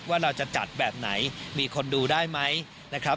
ว่าเราจะจัดแบบไหนมีคนดูได้ไหมนะครับ